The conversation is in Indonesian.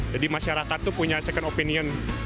jadi masyarakat itu punya second opinion